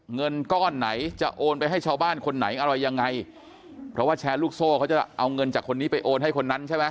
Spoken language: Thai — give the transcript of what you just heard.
เงินก้อนไหนจะโอนไปให้ชาวบ้านคนไหนอะไรยังไงเพราะว่าแชร์ลูกโซ่เขาจะเอาเงินจากคนนี้ไปโอนให้คนนั้นใช่ไหม